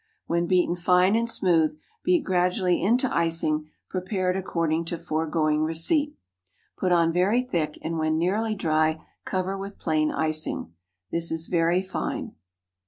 When beaten fine and smooth, beat gradually into icing, prepared according to foregoing receipt. Put on very thick, and, when nearly dry, cover with plain icing. This is very fine.